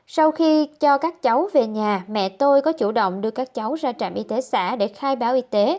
sau khi cho các cháu về nhà mẹ tôi có chủ động đưa các cháu ra trạm y tế xã để khai báo y tế